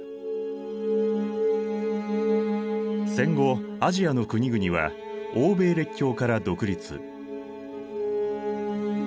戦後アジアの国々は欧米列強から独立。